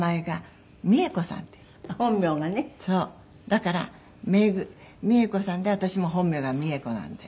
だから美恵子さんで私も本名が三重子なんで。